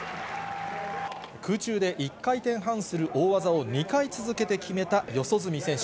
空中で１回転半する大技を２回続けて決めた四十住選手。